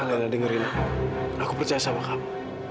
alina dengerin aku aku percaya sama kamu